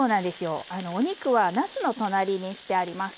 お肉はなすの隣にしてあります。